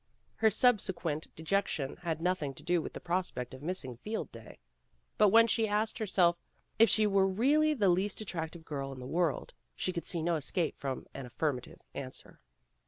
Her subsequent dejection had nothing to do with the prospect of missing Field Day. But when she asked herself if she were really the least attractive girl in the world, she could see no escape from an affirmative answer.